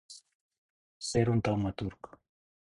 Ser un taumaturg.